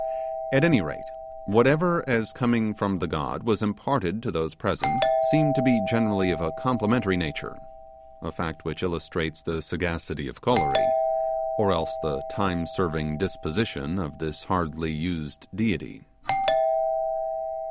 At any rate, whatever as coming from the god was imparted to those present seemed to be generally of a complimentary nature: a fact which illustrates the sagacity of Kolory, or else the timeserving disposition of this hardly used deity.